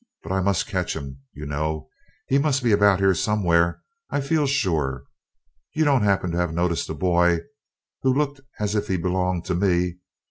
But I must catch him, you know; he must be about here somewhere, I feel sure. You don't happen to have noticed a boy who looked as if he belonged to me?